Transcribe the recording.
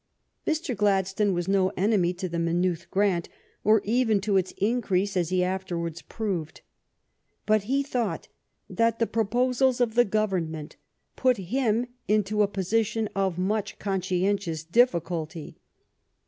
Mr. Gladstone was no enemy to the Maynooth grant, or even to its increase, as he aftervv^ards proved. But he thought that the proposals of the Government put him into a position of much conscientious difficulty.